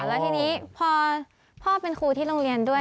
แล้วทีนี้พอพ่อเป็นครูที่โรงเรียนด้วย